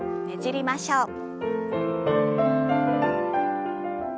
ねじりましょう。